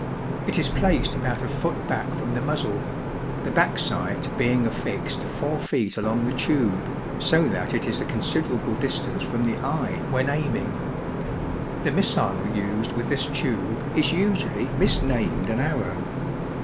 It is placed about a foot back from the muzzle ; the back sight being affixed four feet along the tube, so that it is a considerable distance from the eye when aiming. The missile used with this tube is usually misnamed an arrow.